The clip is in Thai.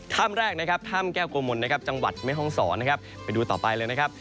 ถ้ำแรกนะครับถ้ำแก้วโกมลนะครับจังหวัดแม่ห้องศรนะครับไปดูต่อไปเลยนะครับ